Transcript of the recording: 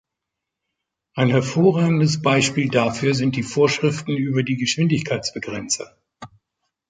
Ein hervorragendes Beispiel dafür sind die Vorschriften über die Geschwindigkeitsbegrenzer.